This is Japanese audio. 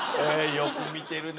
よく見てるね。